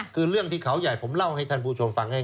คือเรื่องที่เขาใหญ่ผมเล่าให้ท่านผู้ชมฟังให้